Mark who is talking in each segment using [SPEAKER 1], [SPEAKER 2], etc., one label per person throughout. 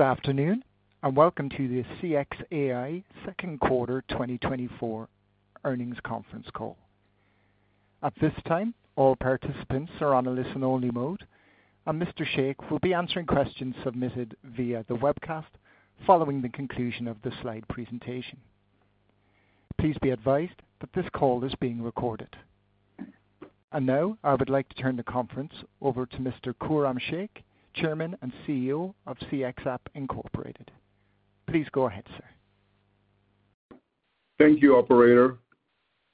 [SPEAKER 1] Good afternoon, and welcome to the CXApp second quarter 2024 earnings conference call. At this time, all participants are on a listen-only mode, and Mr. Sheikh will be answering questions submitted via the webcast following the conclusion of the slide presentation. Please be advised that this call is being recorded. Now, I would like to turn the conference over to Mr. Khurram Sheikh, Chairman and CEO of CXApp Incorporated. Please go ahead, sir.
[SPEAKER 2] Thank you, operator,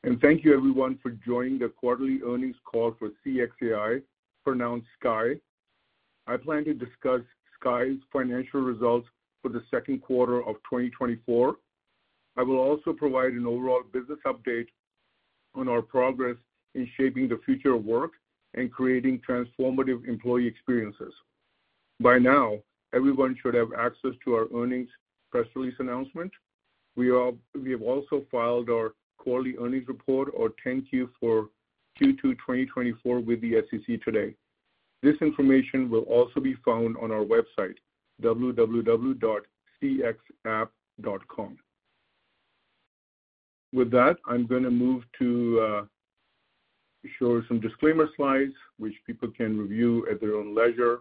[SPEAKER 2] and thank you everyone for joining the quarterly earnings call for CXAI, pronounced Sky. I plan to discuss CX financial results for the second quarter of 2024. I will also provide an overall business update on our progress in shaping the future of work and creating transformative employee experiences. By now, everyone should have access to our earnings press release announcement. We have also filed our quarterly earnings report or 10-Q for Q2 2024 with the SEC today. This information will also be found on our website, www.cxapp.com. With that, I'm gonna move to show some disclaimer slides, which people can review at their own leisure.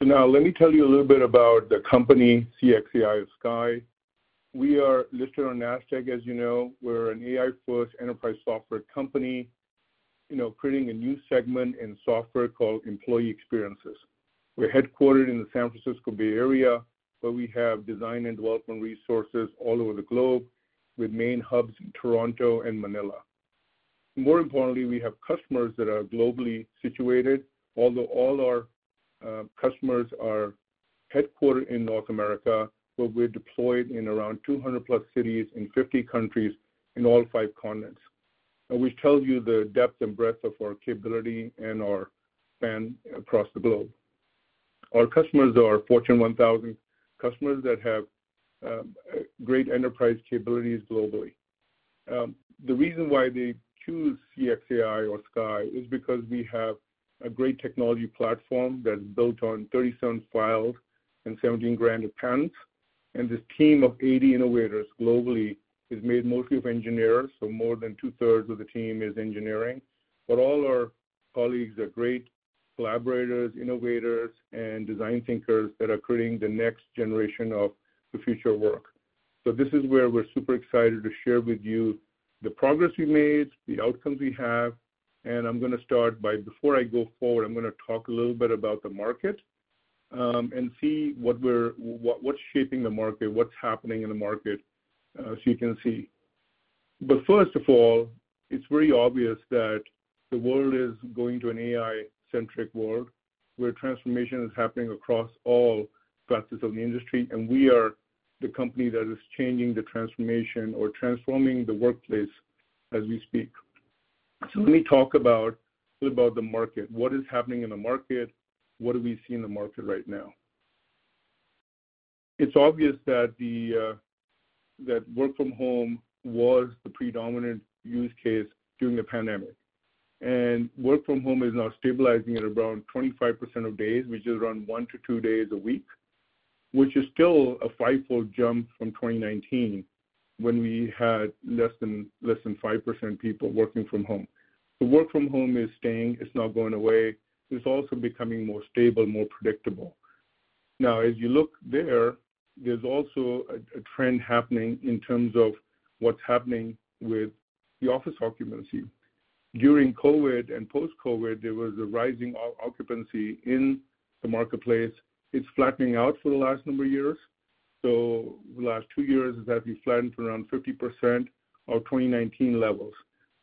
[SPEAKER 2] So now let me tell you a little bit about the company, CX. We are listed on Nasdaq, as you know. We're an AI-first enterprise software company, you know, creating a new segment in software called employee experiences. We're headquartered in the San Francisco Bay Area, but we have design and development resources all over the globe, with main hubs in Toronto and Manila. More importantly, we have customers that are globally situated, although all our customers are headquartered in North America, but we're deployed in around 200+ cities in 50 countries in all 5 continents. Which tells you the depth and breadth of our capability and our span across the globe. Our customers are Fortune 1000 customers that have great enterprise capabilities globally. The reason why they choose CXAI is because we have a great technology platform that's built on 37 filed and 17 granted patents. This team of 80 innovators globally is made mostly of engineers, so more than two-thirds of the team is engineering. But all our colleagues are great collaborators, innovators, and design thinkers that are creating the next generation of the future of work. So this is where we're super excited to share with you the progress we made, the outcomes we have, and I'm gonna start by... Before I go forward, I'm gonna talk a little bit about the market, and see what's shaping the market, what's happening in the market, so you can see. But first of all, it's very obvious that the world is going to an AI-centric world, where transformation is happening across all classes of the industry, and we are the company that is changing the transformation or transforming the workplace as we speak. So let me talk about the market. What is happening in the market? What do we see in the market right now? It's obvious that the that work from home was the predominant use case during the pandemic, and work from home is now stabilizing at around 25% of days, which is around 1-2 days a week, which is still a fivefold jump from 2019, when we had less than, less than 5% people working from home. So work from home is staying. It's not going away. It's also becoming more stable, more predictable. Now, as you look there, there's also a trend happening in terms of what's happening with the office occupancy. During COVID and post-COVID, there was a rising occupancy in the marketplace. It's flattening out for the last number of years, so the last 2 years has been flattened to around 50% of 2019 levels.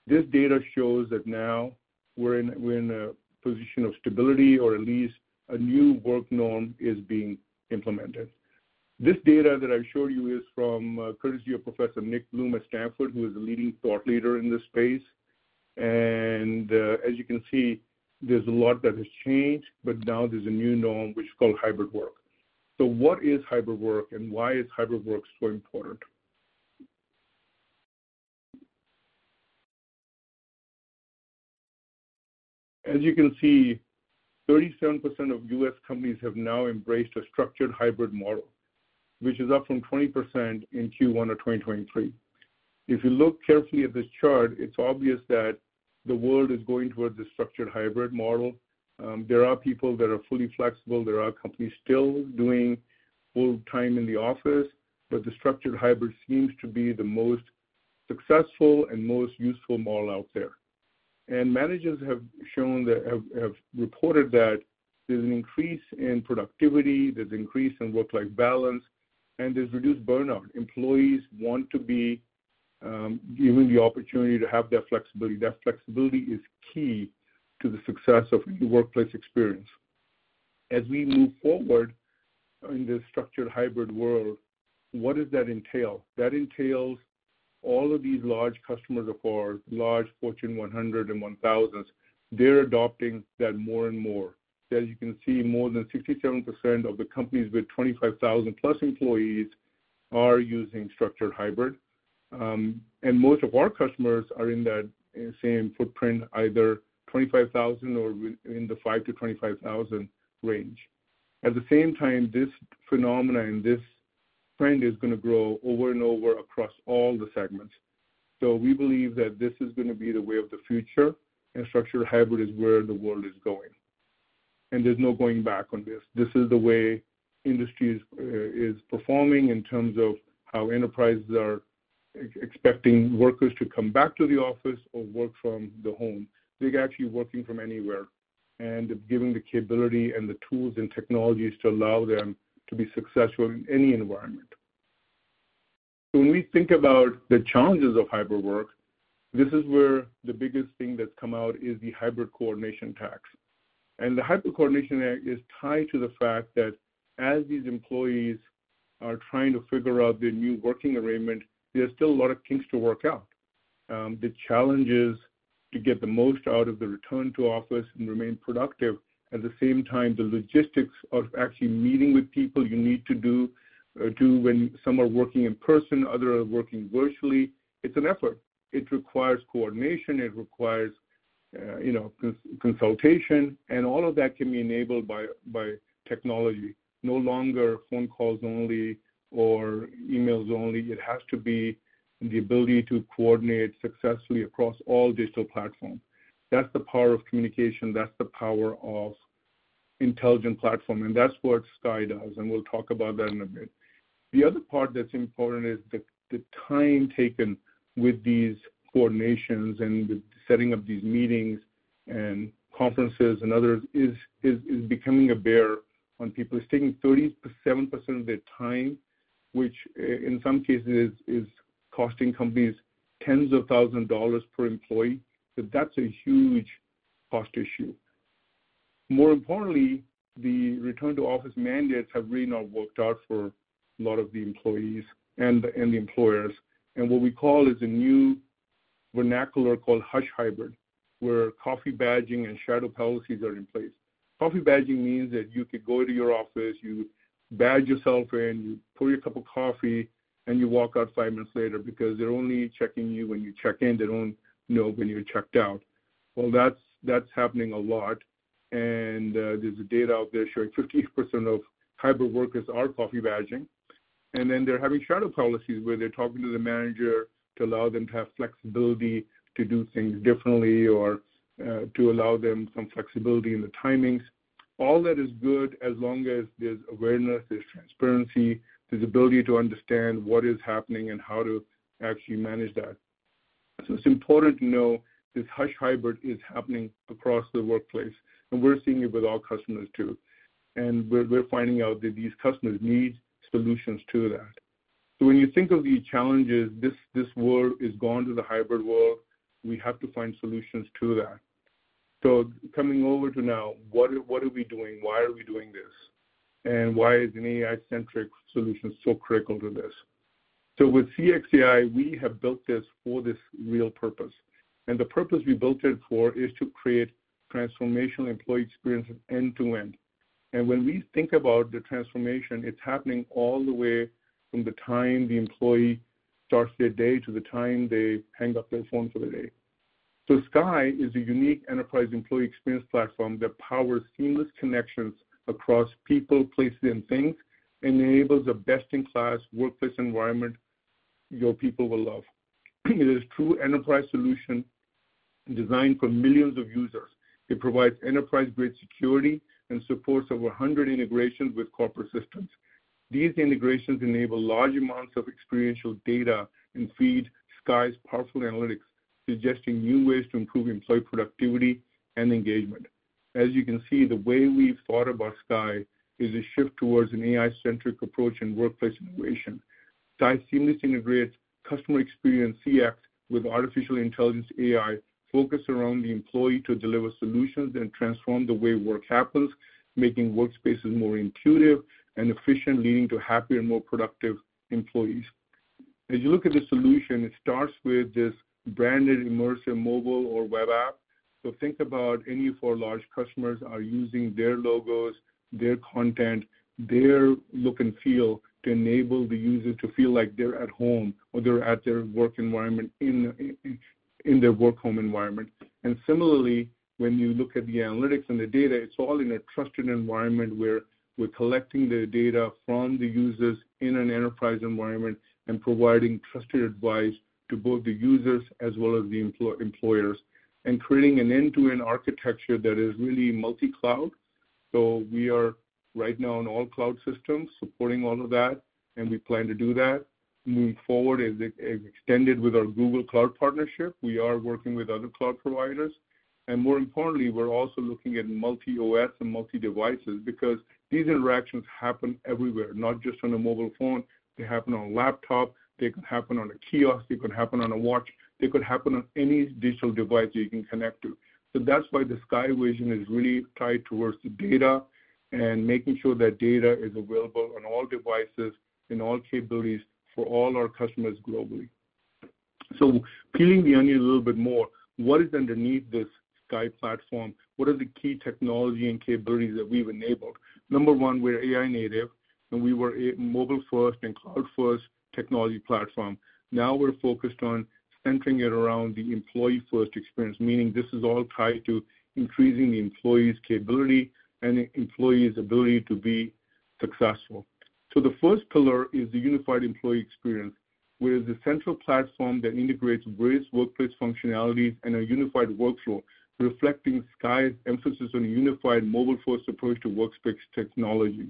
[SPEAKER 2] This data shows that now we're in, we're in a position of stability, or at least a new work norm is being implemented. This data that I showed you is courtesy of Professor Nick Bloom at Stanford, who is a leading thought leader in this space. And as you can see, there's a lot that has changed, but now there's a new norm, which is called hybrid work. So what is hybrid work, and why is hybrid work so important? As you can see, 37% of U.S. companies have now embraced a Structured Hybrid model, which is up from 20% in Q1 of 2023. If you look carefully at this chart, it's obvious that the world is going towards a Structured Hybrid model. There are people that are fully flexible. There are companies still doing full time in the office, but the Structured Hybrid seems to be the most successful and most useful model out there. And managers have shown that, have reported that there's an increase in productivity, there's increase in work-life balance, and there's reduced burnout. Employees want to giving the opportunity to have that flexibility. That flexibility is key to the success of the workplace experience. As we move forward in this Structured Hybrid world, what does that entail? That entails all of these large customers of ours, large Fortune 100 and 1000s, they're adopting that more and more. As you can see, more than 67% of the companies with 25,000+ employees are using Structured Hybrid. And most of our customers are in that same footprint, either 25,000 or with, in the 5,000-25,000 range. At the same time, this phenomenon, this trend, is gonna grow over and over across all the segments. So we believe that this is gonna be the way of the future, and structured hybrid is where the world is going, and there's no going back on this. This is the way industry is performing in terms of how enterprises are expecting workers to come back to the office or work from the home. They're actually working from anywhere, and giving the capability and the tools and technologies to allow them to be successful in any environment. When we think about the challenges of hybrid work, this is where the biggest thing that's come out is the hybrid coordination tax. And the hybrid coordination tax is tied to the fact that as these employees are trying to figure out their new working arrangement, there are still a lot of kinks to work out. The challenge is to get the most out of the return to office and remain productive. At the same time, the logistics of actually meeting with people you need to do, to when some are working in person, others are working virtually, it's an effort. It requires coordination, it requires, you know, consultation, and all of that can be enabled by, by technology. No longer phone calls only or emails only. It has to be the ability to coordinate successfully across all digital platforms. That's the power of communication, that's the power of intelligent platform, and that's what CXAI does, and we'll talk about that in a bit. The other part that's important is the time taken with these coordinations and the setting up these meetings and conferences and others, is becoming a burden on people. It's taking 37% of their time, which in some cases is costing companies tens of thousands of dollars per employee. So that's a huge cost issue. More importantly, the return-to-office mandates have really not worked out for a lot of the employees and the employers, and what we call is a new vernacular called Hush Hybrid, where coffee badging and shadow policies are in place. coffee badging means that you could go to your office, you badge yourself in, you pour your cup of coffee, and you walk out five minutes later because they're only checking you when you check in. They don't know when you're checked out. Well, that's, that's happening a lot, and there's data out there showing 15% of hybrid workers are coffee badging. And then they're having shadow policies, where they're talking to the manager to allow them to have flexibility to do things differently or to allow them some flexibility in the timings. All that is good as long as there's awareness, there's transparency, there's ability to understand what is happening and how to actually manage that. So it's important to know this hush hybrid is happening across the workplace, and we're seeing it with our customers, too. We're finding out that these customers need solutions to that. When you think of the challenges, this world is gone to the hybrid world. We have to find solutions to that. Coming over to now, what are we doing? Why are we doing this? And why is an AI-centric solution so critical to this? With CXAI, we have built this for this real purpose, and the purpose we built it for is to create transformational employee experiences end to end. When we think about the transformation, it's happening all the way from the time the employee starts their day to the time they hang up their phone for the day. CXAI is a unique enterprise employee experience platform that powers seamless connections across people, places, and things, enables a best-in-class workplace environment your people will love. It is true enterprise solution designed for millions of users. It provides enterprise-grade security and supports over 100 integrations with corporate systems. These integrations enable large amounts of experiential data and CXAI powerful analytics, suggesting new ways to improve employee productivity and engagement. As you can see, the way we've thought about CXAI is a shift towards an AI-centric approach and workplace innovation. seamlessly integrates customer experience, CXAI, with artificial intelligence, AI, focused around the employee to deliver solutions and transform the way work happens, making workspaces more intuitive and efficient, leading to happier and more productive employees. As you look at the solution, it starts with this branded, immersive mobile or web app. So think about any of our large customers are using their logos, their content, their look and feel to enable the user to feel like they're at home or they're at their work environment in their work home environment. And similarly, when you look at the analytics and the data, it's all in a trusted environment, where we're collecting the data from the users in an enterprise environment and providing trusted advice to both the users as well as the employers, and creating an end-to-end architecture that is really multi-cloud. So we are right now on all cloud systems, supporting all of that, and we plan to do that. Moving forward, as it extended with our Google Cloud partnership, we are working with other cloud providers. And more importantly, we're also looking at multi-OS and multi-devices because these interactions happen everywhere, not just on a mobile phone. They happen on a laptop, they can happen on a kiosk, they could happen on a watch, they could happen on any digital device you can connect to. So that's why the CXAI vision is really tied towards the data and making sure that data is available on all devices, in all capabilities for all our customers globally. So peeling the onion a little bit more, what is underneath CXAI Platform? What are the key technology and capabilities that we've enabled? Number one, we're AI native, and we were a mobile-first and cloud-first technology platform. Now we're focused on centering it around the employee-first experience, meaning this is all tied to increasing the employee's capability and the employee's ability to be successful. So the first pillar is the unified employee experience, where the central platform that integrates various workplace functionalities and a unified workflow, reflecting CXAI emphasis on a unified mobile-first approach to workspace technology.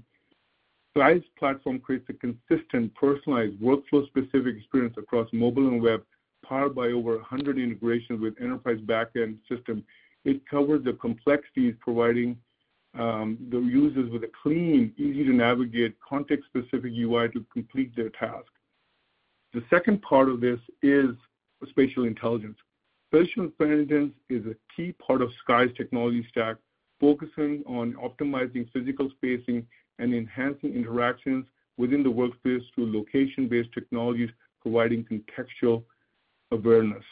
[SPEAKER 2] CXAI Platform creates a consistent, personalized, workflow-specific experience across mobile and web, powered by over a hundred integrations with enterprise backend system. It covers the complexities, providing the users with a clean, easy-to-navigate, context-specific UI to complete their task. The second part of this is spatial intelligence. spatial intelligence is a key part of CXAI technology stack, focusing on optimizing physical spacing and enhancing interactions within the workspace through location-based technologies, providing contextual awareness.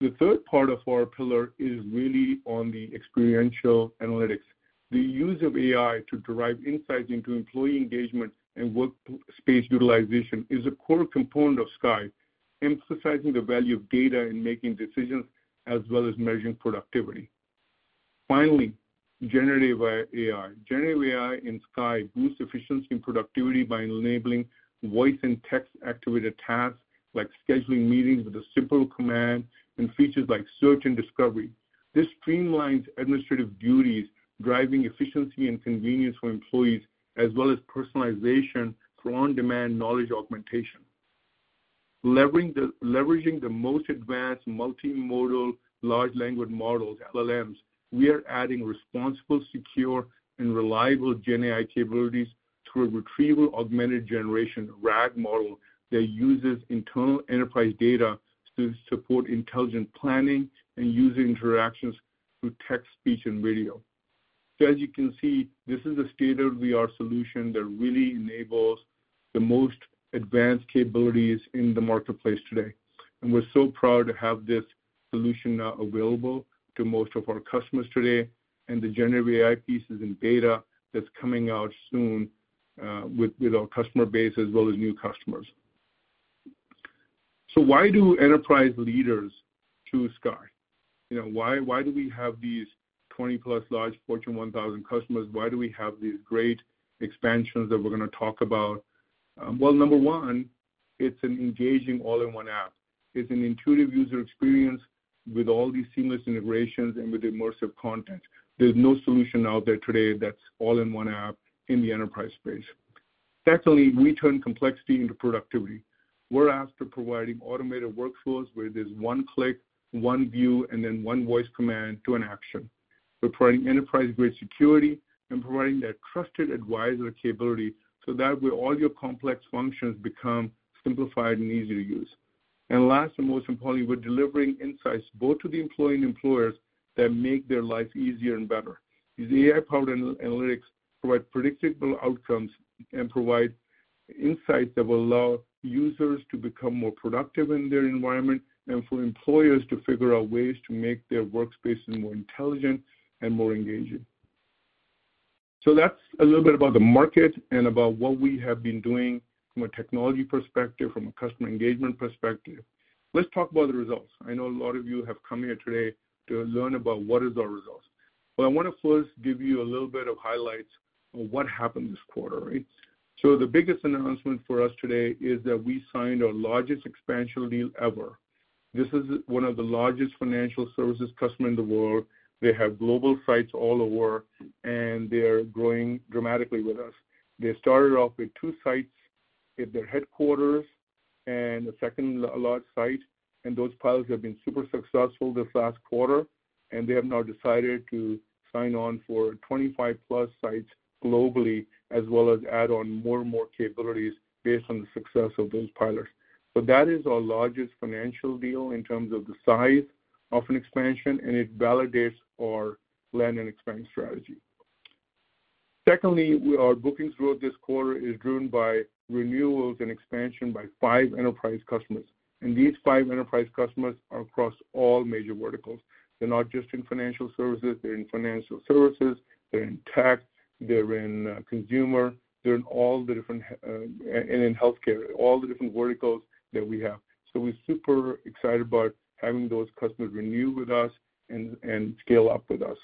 [SPEAKER 2] The third part of our pillar is really on the experiential analytics. The use of AI to derive insights into employee engagement and work space utilization is a core component of CXAI, emphasizing the value of data in making decisions as well as measuring productivity. Finally, generative AI. generative AI in CXAI boosts efficiency and productivity by enabling voice and text-activated tasks, like scheduling meetings with a simple command and features like search and discovery. This streamlines administrative duties, driving efficiency and convenience for employees, as well as personalization for on-demand knowledge augmentation. Leveraging the most advanced multimodal large language models, LLMs, we are adding responsible, secure, and reliable GenAI capabilities through a Retrieval-Augmented Generation, RAG model, that uses internal enterprise data to support intelligent planning and user interactions through text, speech, and radio. So as you can see, this is a state-of-the-art solution that really enables the most advanced capabilities in the marketplace today, and we're so proud to have this solution now available to most of our customers today, and the generative AI piece is in beta that's coming out soon, with our customer base as well as new customers. So why do enterprise leaders choose CXAI? You know, why, why do we have these 20+ large Fortune 1,000 customers? Why do we have these great expansions that we're gonna talk about? Well, number one, it's an engaging all-in-one app. It's an intuitive user experience with all these seamless integrations and with immersive content. There's no solution out there today that's all in one app in the enterprise space. Secondly, we turn complexity into productivity. We're asked to provide automated workflows where there's one click, one view, and then one voice command to an action. We're providing enterprise-grade security and providing that trusted advisor capability, so that way, all your complex functions become simplified and easy to use. And last, and most importantly, we're delivering insights both to the employee and employers that make their life easier and better. These AI-powered analytics provide predictable outcomes and provide insight that will allow users to become more productive in their environment and for employers to figure out ways to make their workspace more intelligent and more engaging. So that's a little bit about the market and about what we have been doing from a technology perspective, from a customer engagement perspective. Let's talk about the results. I know a lot of you have come here today to learn about what is our results. But I wanna first give you a little bit of highlights on what happened this quarter, right? So the biggest announcement for us today is that we signed our largest expansion deal ever. This is one of the largest financial services customer in the world. They have global sites all over, and they are growing dramatically with us. They started off with two sites at their headquarters and a second large site, and those pilots have been super successful this last quarter. And they have now decided to sign on for 25+ sites globally, as well as add on more and more capabilities based on the success of those pilots. So that is our largest financial deal in terms of the size of an expansion, and it validates our land and expand strategy. Secondly, our bookings growth this quarter is driven by renewals and expansion by five enterprise customers, and these five enterprise customers are across all major verticals. They're not just in financial services. They're in financial services, they're in tech, they're in consumer, they're in all the different and in healthcare, all the different verticals that we have. So we're super excited about having those customers renew with us and scale up with us.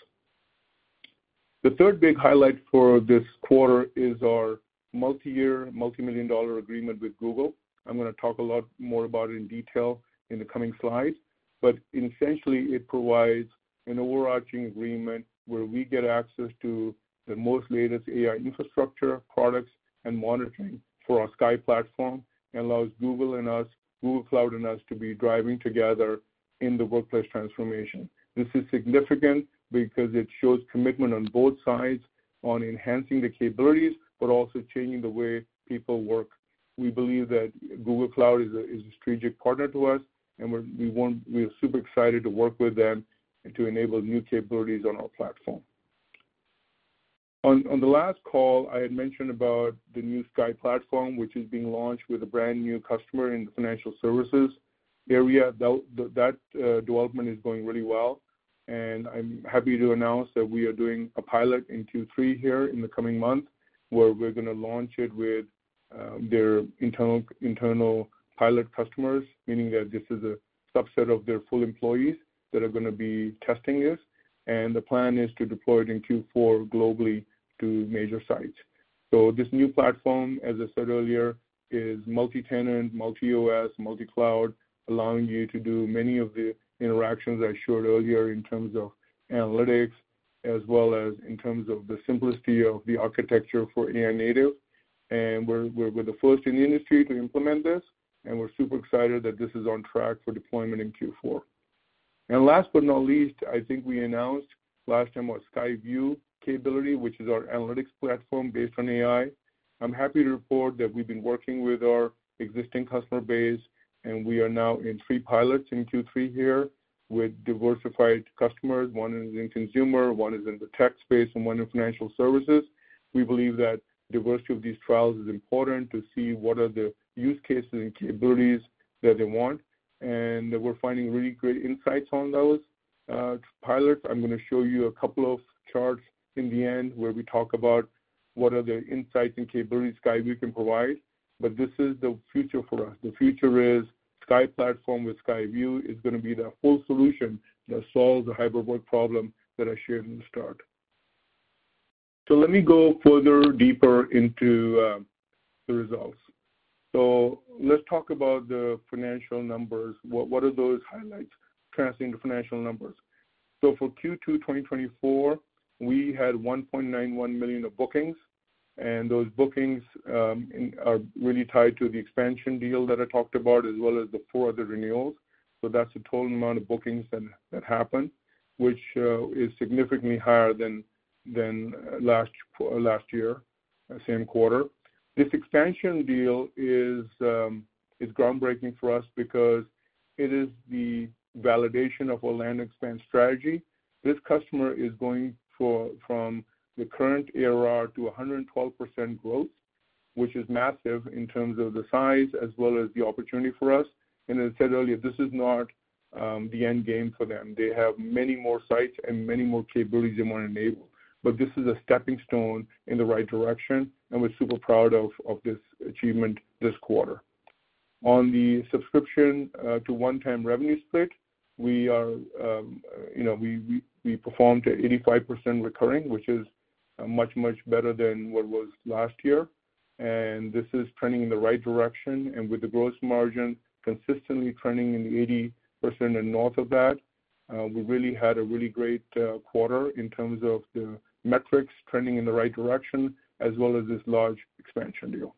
[SPEAKER 2] The third big highlight for this quarter is our multi-year, multi-million-dollar agreement with Google. I'm gonna talk a lot more about it in detail in the coming slides... But essentially, it provides an overarching agreement where we get access to the most latest AI infrastructure, products, and monitoring for our CXAI Platform, and allows Google and us, Google Cloud and us, to be driving together in the workplace transformation. This is significant because it shows commitment on both sides on enhancing the capabilities, but also changing the way people work. We believe that Google Cloud is a strategic partner to us, and we are super excited to work with them and to enable new capabilities on our platform. On the last call, I had mentioned about the new CXAI Platform, which is being launched with a brand new customer in the financial services area. That development is going really well, and I'm happy to announce that we are doing a pilot in Q3 here in the coming month, where we're gonna launch it with their internal pilot customers, meaning that this is a subset of their full employees that are gonna be testing this. And the plan is to deploy it in Q4 globally to major sites. So this new platform, as I said earlier, is multi-tenant, multi-OS, multi-cloud, allowing you to do many of the interactions I showed earlier in terms of analytics, as well as in terms of the simplicity of the architecture for AI-native. And we're the first in the industry to implement this, and we're super excited that this is on track for deployment in Q4. And last but not least, I think we announced last time our CXAI View capability, which is our analytics platform based on AI. I'm happy to report that we've been working with our existing customer base, and we are now in three pilots in Q3 here with diversified customers. One is in consumer, one is in the tech space, and one in financial services. We believe that diversity of these trials is important to see what are the use cases and capabilities that they want, and we're finding really great insights on those, pilots. I'm gonna show you a couple of charts in the end, where we talk about what are the insights and capabilities CXAI View can provide. But this is the future for us. The future is CXAI Platform with CXAI View is gonna be the full solution that solves the hybrid work problem that I shared in the start. So let me go further, deeper into the results. So let's talk about the financial numbers. What, what are those highlights translating to financial numbers? So for Q2 2024, we had $1.91 million of bookings, and those bookings are really tied to the expansion deal that I talked about, as well as the four other renewals. So that's the total amount of bookings that happened, which is significantly higher than last year, same quarter. This expansion deal is groundbreaking for us because it is the validation of our land expand strategy. This customer is going from the current ARR to 112% growth, which is massive in terms of the size as well as the opportunity for us. And as I said earlier, this is not the end game for them. They have many more sites and many more capabilities they want to enable. But this is a stepping stone in the right direction, and we're super proud of this achievement this quarter. On the subscription to one-time revenue split, we are, you know, we performed at 85% recurring, which is much, much better than what it was last year, and this is trending in the right direction. And with the gross margin consistently trending in the 80% and north of that, we really had a really great quarter in terms of the metrics trending in the right direction, as well as this large expansion deal.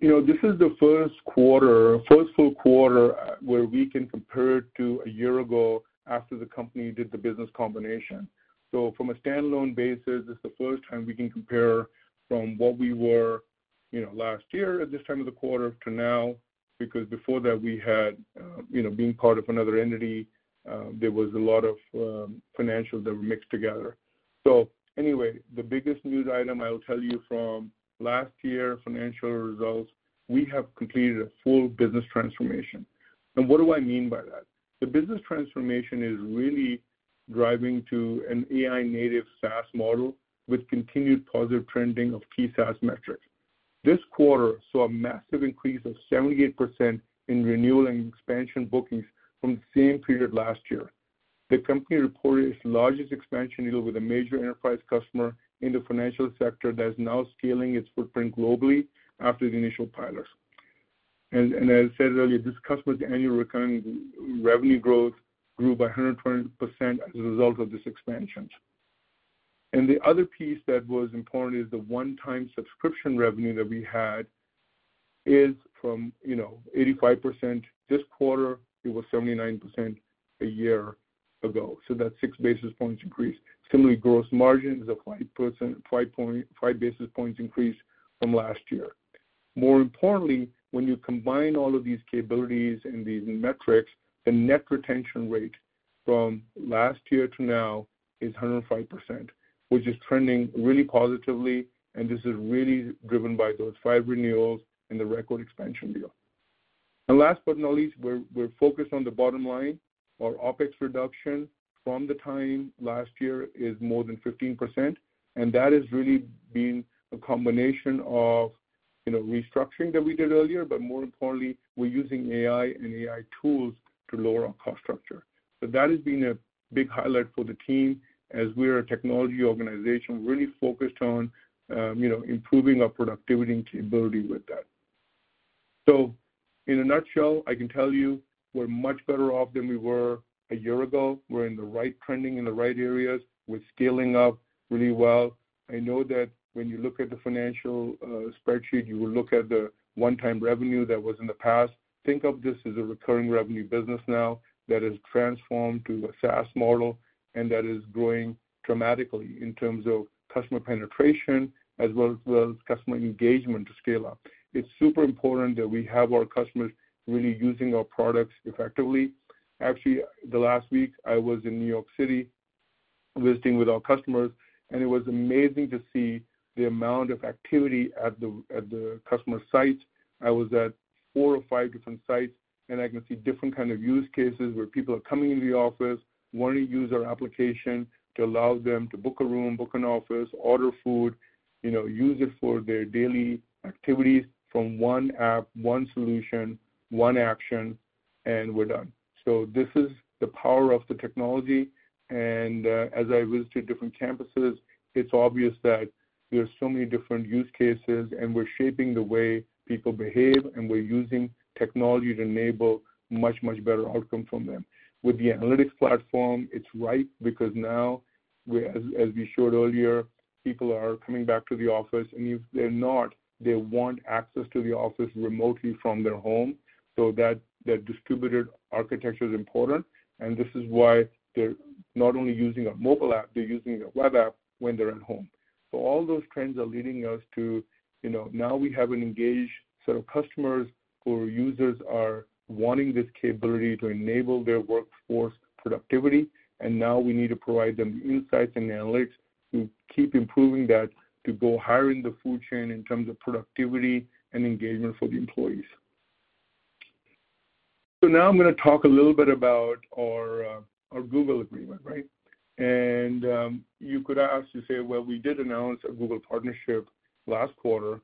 [SPEAKER 2] You know, this is the first quarter, first full quarter, where we can compare to a year ago after the company did the business combination. So from a standalone basis, this is the first time we can compare from what we were, you know, last year at this time of the quarter to now, because before that we had, you know, being part of another entity, there was a lot of financials that were mixed together. So anyway, the biggest news item I will tell you from last year financial results, we have completed a full business transformation. And what do I mean by that? The business transformation is really driving to an AI-Native SaaS model with continued positive trending of key SaaS metrics. This quarter saw a massive increase of 78% in renewal and expansion bookings from the same period last year. The company reported its largest expansion deal with a major enterprise customer in the financial sector that is now scaling its footprint globally after the initial pilots. As I said earlier, this customer's annual recurring revenue growth grew by 120% as a result of this expansion. The other piece that was important is the one-time subscription revenue that we had is from, you know, 85% this quarter. It was 79% a year ago, so that's 6 basis points increase. Similarly, gross margins of 5%, 5.5 basis points increase from last year. More importantly, when you combine all of these capabilities and these metrics, the net retention rate from last year to now is 105%, which is trending really positively, and this is really driven by those five renewals and the record expansion deal. Last but not least, we're focused on the bottom line. Our OpEx reduction from the time last year is more than 15%, and that has really been a combination of, you know, restructuring that we did earlier, but more importantly, we're using AI and AI tools to lower our cost structure. So that has been a big highlight for the team as we are a technology organization really focused on, you know, improving our productivity and capability with that. So in a nutshell, I can tell you we're much better off than we were a year ago. We're in the right trending, in the right areas. We're scaling up really well. I know that when you look at the financial spreadsheet, you will look at the one-time revenue that was in the past. Think of this as a recurring revenue business now that is transformed to a SaaS model, and that is growing dramatically in terms of customer penetration as well as, well, customer engagement to scale up. It's super important that we have our customers really using our products effectively. Actually, the last week, I was in New York City visiting with our customers, and it was amazing to see the amount of activity at the customer site. I was at four or five different sites, and I can see different kind of use cases where people are coming into the office, wanting to use our application to allow them to book a room, book an office, order food, you know, use it for their daily activities from one app, one solution, one action, and we're done. So this is the power of the technology. As I visit different campuses, it's obvious that there are so many different use cases, and we're shaping the way people behave, and we're using technology to enable much, much better outcome from them. With the analytics platform, it's right because now, as we showed earlier, people are coming back to the office, and if they're not, they want access to the office remotely from their home. So, that distributed architecture is important, and this is why they're not only using a mobile app, they're using a web app when they're at home. So all those trends are leading us to, you know, now we have an engaged set of customers who are users are wanting this capability to enable their workforce productivity, and now we need to provide them the insights and analytics to keep improving that, to go higher in the food chain in terms of productivity and engagement for the employees. So now I'm gonna talk a little bit about our, our Google agreement, right? And, you could ask to say, well, we did announce a Google partnership last quarter.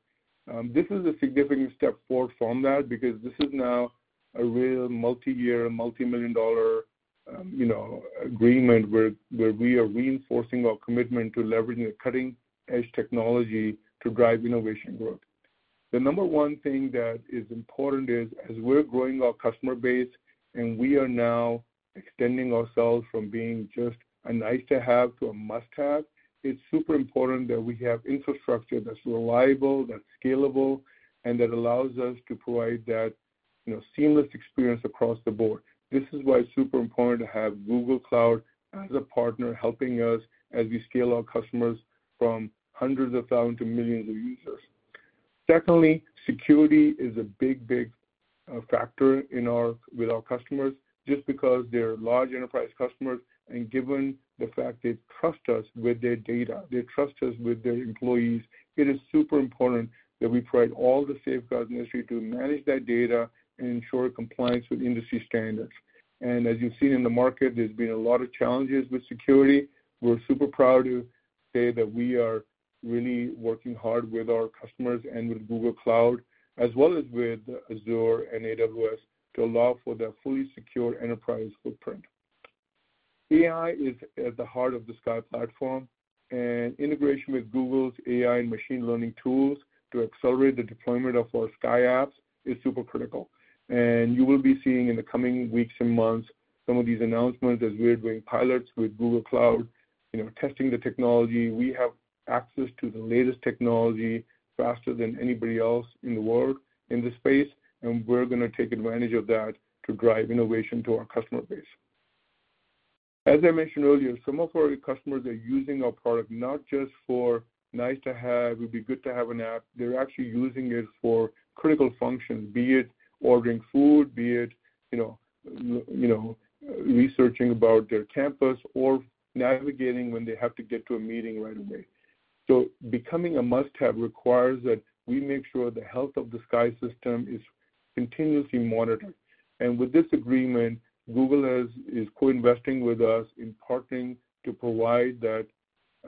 [SPEAKER 2] This is a significant step forward from that because this is now a real multi-year, multi-million-dollar, you know, agreement, where, where we are reinforcing our commitment to leveraging a cutting-edge technology to drive innovation growth. The number one thing that is important is, as we're growing our customer base, and we are now extending ourselves from being just a nice-to-have to a must-have, it's super important that we have infrastructure that's reliable, that's scalable, and that allows us to provide that, you know, seamless experience across the board. This is why it's super important to have Google Cloud as a partner, helping us as we scale our customers from hundreds of thousands to millions of users. Secondly, security is a big, big factor with our customers, just because they're large enterprise customers and given the fact they trust us with their data, they trust us with their employees. It is super important that we provide all the safeguards necessary to manage that data and ensure compliance with industry standards. As you've seen in the market, there's been a lot of challenges with security. We're super proud to say that we are really working hard with our customers and with Google Cloud, as well as with Azure and AWS, to allow for their fully secure enterprise footprint. AI is at the heart of the CXAI Platform, and integration with Google's AI and machine learning tools to accelerate the deployment of our CXAI apps is super critical. You will be seeing in the coming weeks and months, some of these announcements as we're doing pilots with Google Cloud, you know, testing the technology. We have access to the latest technology faster than anybody else in the world in this space, and we're gonna take advantage of that to drive innovation to our customer base. As I mentioned earlier, some of our customers are using our product not just for nice to have, it'd be good to have an app, they're actually using it for critical functions, be it ordering food, be it, you know, researching about their campus or navigating when they have to get to a meeting right away. So becoming a must-have requires that we make sure the health of the CXAI system is continuously monitored. With this agreement, Google is co-investing with us in partnering to provide that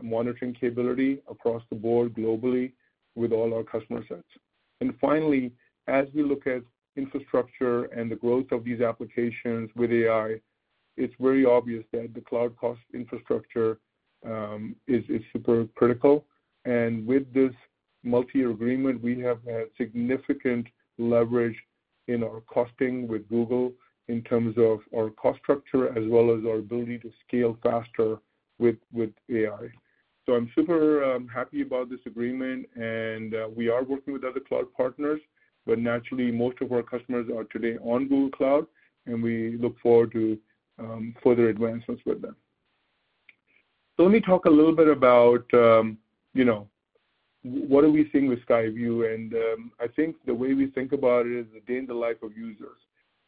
[SPEAKER 2] monitoring capability across the board globally with all our customer sets. Finally, as we look at infrastructure and the growth of these applications with AI, it's very obvious that the cloud cost infrastructure is super critical. With this multi-year agreement, we have had significant leverage in our costing with Google in terms of our cost structure, as well as our ability to scale faster with AI. So I'm super happy about this agreement, and we are working with other cloud partners, but naturally, most of our customers are today on Google Cloud, and we look forward to further advancements with them. So let me talk a little bit about, you know, what are we seeing with CXAI View, and I think the way we think about it is a day in the life of users.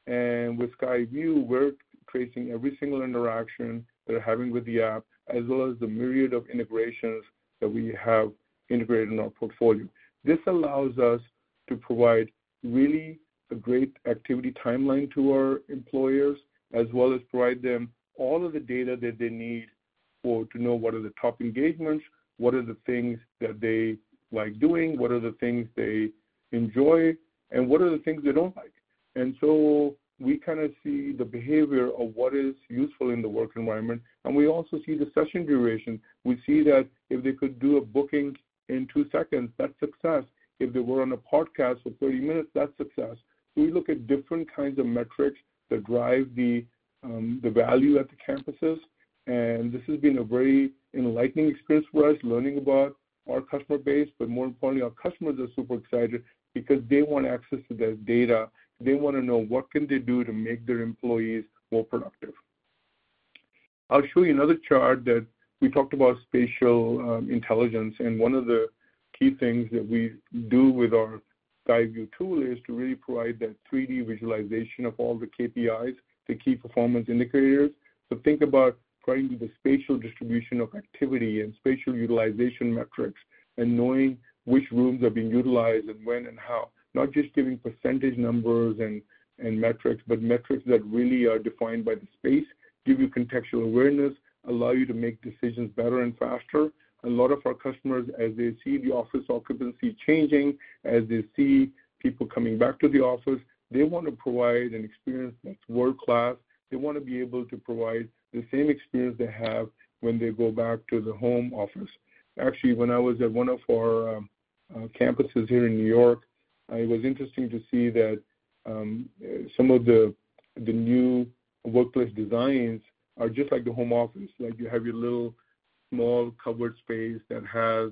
[SPEAKER 2] With CXAI View, we're tracing every single interaction they're having with the app, as well as the myriad of integrations that we have integrated in our portfolio. This allows us to provide really a great activity timeline to our employers, as well as provide them all of the data that they need for-- to know what are the top engagements, what are the things that they like doing, what are the things they enjoy, and what are the things they don't like?... So we kind of see the behavior of what is useful in the work environment, and we also see the session duration. We see that if they could do a booking in 2 seconds, that's success. If they were on a podcast for 30 minutes, that's success. So we look at different kinds of metrics that drive the, the value at the campuses, and this has been a very enlightening experience for us, learning about our customer base. But more importantly, our customers are super excited because they want access to that data. They wanna know what can they do to make their employees more productive. I'll show you another chart, that we talked about spatial intelligence, and one of the key things that we do with our CXAI View tool is to really provide that 3D visualization of all the KPIs, the key performance indicators. So think about going to the spatial distribution of activity and spatial utilization metrics, and knowing which rooms are being utilized and when and how. Not just giving percentage numbers and metrics, but metrics that really are defined by the space, give you contextual awareness, allow you to make decisions better and faster. A lot of our customers, as they see the office occupancy changing, as they see people coming back to the office, they want to provide an experience that's world-class. They want to be able to provide the same experience they have when they go back to the home office. Actually, when I was at one of our campuses here in New York, it was interesting to see that some of the new workplace designs are just like the home office. Like, you have your little small cupboard space that has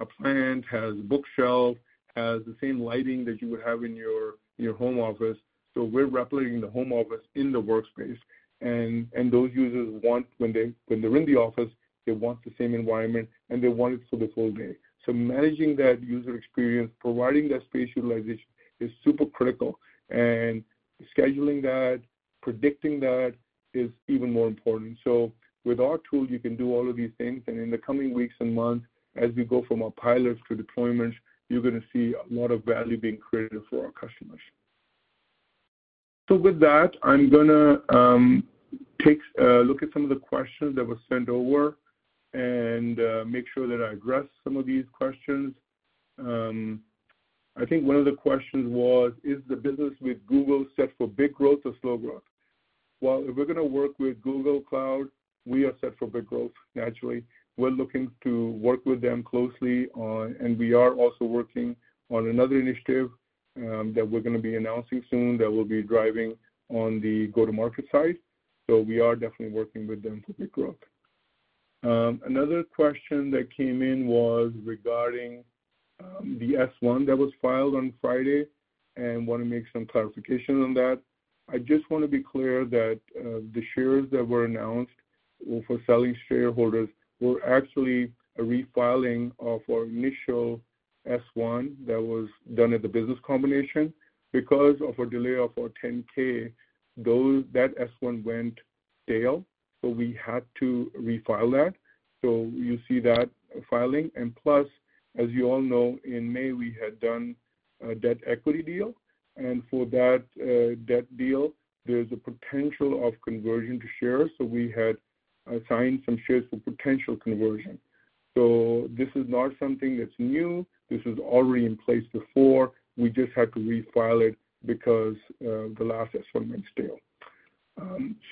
[SPEAKER 2] a plant, has a bookshelf, has the same lighting that you would have in your home office. So we're replicating the home office in the workspace, and those users want when they-- when they're in the office, they want the same environment, and they want it for the whole day. So managing that user experience, providing that space utilization, is super critical. And scheduling that, predicting that, is even more important. So with our tool, you can do all of these things, and in the coming weeks and months, as we go from our pilots to deployments, you're gonna see a lot of value being created for our customers. So with that, I'm gonna take a look at some of the questions that were sent over and make sure that I address some of these questions. I think one of the questions was: Is the business with Google set for big growth or slow growth? Well, if we're gonna work with Google Cloud, we are set for big growth, naturally. We're looking to work with them closely on... And we are also working on another initiative, that we're gonna be announcing soon, that we'll be driving on the go-to-market side. So we are definitely working with them for big growth. Another question that came in was regarding the S-1 that was filed on Friday, and want to make some clarification on that. I just want to be clear that the shares that were announced for selling shareholders were actually a refiling of our initial S-1 that was done at the business combination. Because of a delay of our 10-K, that S-1 went stale, so we had to refile that. So you see that filing. And plus, as you all know, in May, we had done a debt equity deal, and for that debt deal, there's a potential of conversion to shares. So we had assigned some shares for potential conversion. So this is not something that's new. This is already in place before. We just had to refile it because the last S-1 went stale.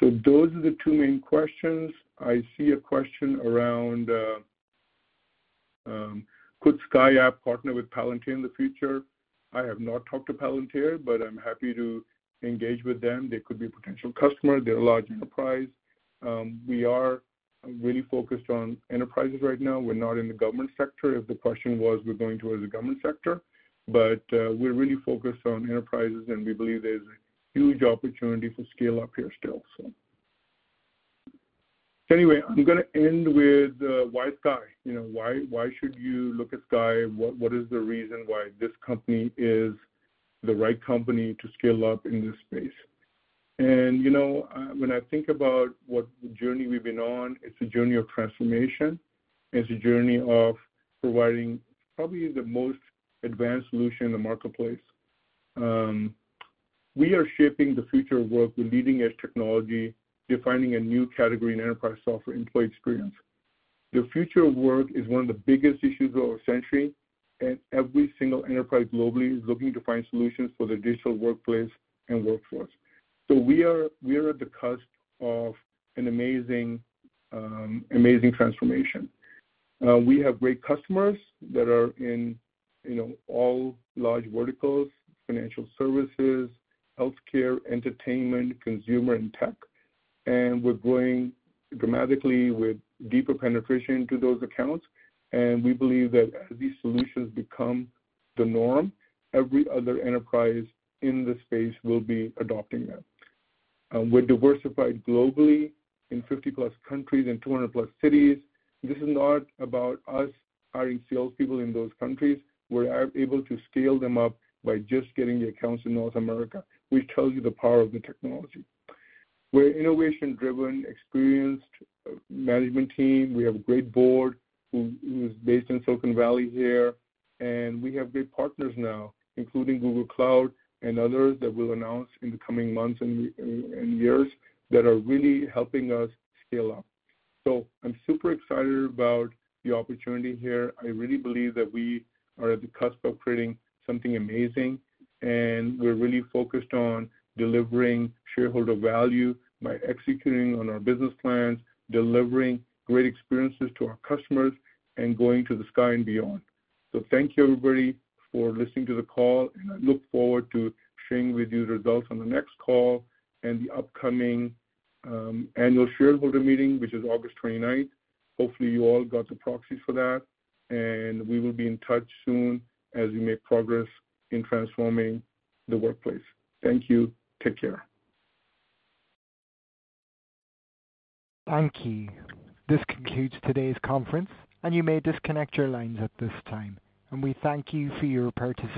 [SPEAKER 2] So those are the two main questions. I see a question around: Could CXAI app partner with Palantir in the future? I have not talked to Palantir, but I'm happy to engage with them. They could be a potential customer. They're a large enterprise. We are really focused on enterprises right now. We're not in the government sector, if the question was we're going towards the government sector. But, we're really focused on enterprises, and we believe there's a huge opportunity to scale up here still, so. Anyway, I'm gonna end with, why CXAI? You know, why, why should you look at CXAI? What, what is the reason why this company is the right company to scale up in this space? And, you know, when I think about what journey we've been on, it's a journey of transformation. It's a journey of providing probably the most advanced solution in the marketplace. We are shaping the future of work with leading-edge technology, defining a new category in enterprise software employee experience. The future of work is one of the biggest issues of our century, and every single enterprise globally is looking to find solutions for their digital workplace and workforce. So we are at the cusp of an amazing, amazing transformation. We have great customers that are in, you know, all large verticals: financial services, healthcare, entertainment, consumer, and tech. And we're growing dramatically with deeper penetration into those accounts, and we believe that as these solutions become the norm, every other enterprise in the space will be adopting them. We're diversified globally in 50+ countries and 200+ cities. This is not about us hiring salespeople in those countries. We're able to scale them up by just getting the accounts in North America, which tells you the power of the technology. We're innovation-driven, experienced management team. We have a great board who is based in Silicon Valley here, and we have great partners now, including Google Cloud and others, that we'll announce in the coming months and years, that are really helping us scale up. So I'm super excited about the opportunity here. I really believe that we are at the cusp of creating something amazing, and we're really focused on delivering shareholder value by executing on our business plans, delivering great experiences to our customers, and going to the CXAI and beyond. So thank you, everybody, for listening to the call, and I look forward to sharing with you the results on the next call and the upcoming annual shareholder meeting, which is August twenty-ninth. Hopefully, you all got the proxies for that, and we will be in touch soon as we make progress in transforming the workplace. Thank you. Take care.
[SPEAKER 1] Thank you. This concludes today's conference, and you may disconnect your lines at this time, and we thank you for your participation.